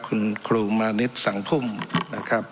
คุณครูมานิดสังพุ่มนะครับ